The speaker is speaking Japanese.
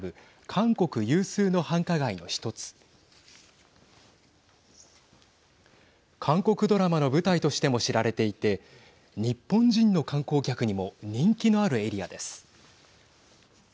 韓国ドラマの舞台としても知られていて日本人の観光客にも人気のあるエリアです。